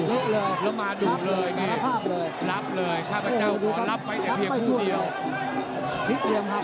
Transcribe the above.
เลือดเลยแล้วมาดูเลยรับเลยข้าพเจ้าขอรับไปแต่เพียงทุกทุกเดียว